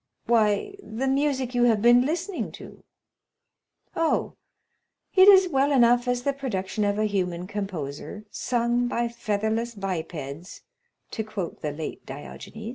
"Why, the music you have been listening to." "Oh, it is well enough as the production of a human composer, sung by featherless bipeds, to quote the late Diogenes."